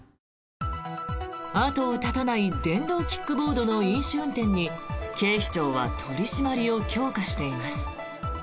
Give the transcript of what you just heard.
後を絶たない電動キックボードの飲酒運転に警視庁は取り締まりを強化しています。